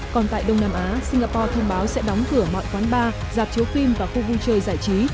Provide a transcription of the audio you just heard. còn tại đông nam á singapore thông báo sẽ đóng cửa mọi quán bar chiếu phim và khu vui chơi giải trí